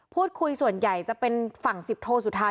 พูดคุยส่วนใหญ่จะเป็นฝั่ง๑๐โทรสุทธา